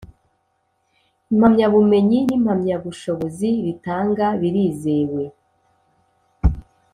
impamyabumenyi nimpamyabushobozi ritanga birizewe